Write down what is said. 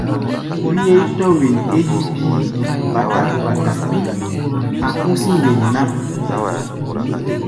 Wíʼɛi tɔ̧́ wen é yí bíí báták-báták, a̧ hú̧sí̧ wen ná.